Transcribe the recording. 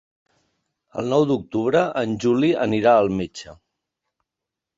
El nou d'octubre en Juli anirà al metge.